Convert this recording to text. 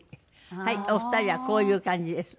はいお二人はこういう感じです。